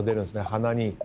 鼻に。